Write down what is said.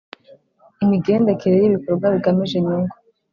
Imigendekere y ibikorwa bigamije inyungu